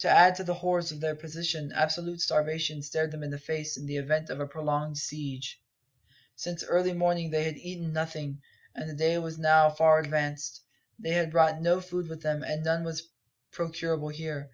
To add to the horrors of their position, absolute starvation stared them in the face in the event of a prolonged siege. Since early morning they had eaten nothing, and the day was now far advanced; they had brought no food with them, and none was procurable here.